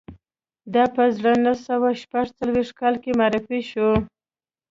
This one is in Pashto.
دا په زر نه سوه شپږ څلویښت کال کې معرفي شو